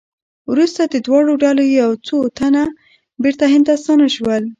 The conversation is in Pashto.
وروسته د دواړو ډلو یو څو تنه بېرته هند ته ستانه شول.